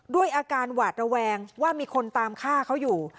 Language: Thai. ด้วยอาการหวาดระแวงว่ามีคนตามฆ่าเขาอยู่